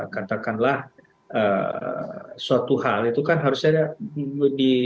katakanlah suatu hal itu kan harusnya di